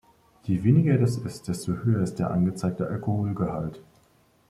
Je weniger das ist, desto höher ist der angezeigte Alkoholgehalt.